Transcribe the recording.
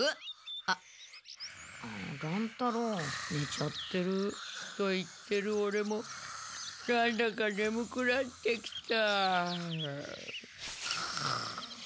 あっ乱太郎ねちゃってる。と言ってるオレもなんだかねむくなってきた。